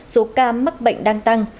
số ca mắc bệnh đang tăng